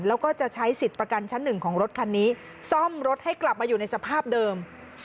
แล้วก็จะใช้สิทธิ์ประกันชั้นหนึ่งของรถคันนี้ซ่อมรถให้กลับมาอยู่ในสภาพเดิม